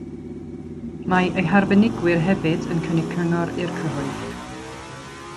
Mae eu harbenigwyr hefyd yn cynnig cyngor i'r cyhoedd.